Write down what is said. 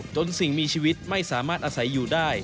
สิ่งมีชีวิตไม่สามารถอาศัยอยู่ได้